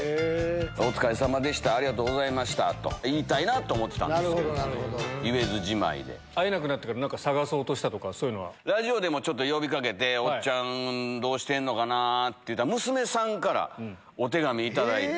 おつかれさまでした、ありがとうございましたと言いたいなと思ってたんですけど、会えなくなってから、なんかラジオでもちょっと呼びかけて、おっちゃん、どうしてんのかなって言ったら、娘さんから、お手紙頂いて。